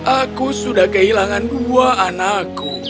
aku sudah kehilangan dua anakku